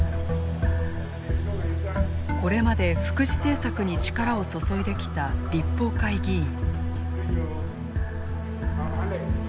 これまで福祉政策に力を注いできた立法会議員。